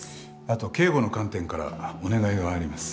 あと警護の観点からお願いがあります。